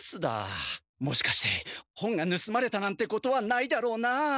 もしかして本がぬすまれたなんてことはないだろうな。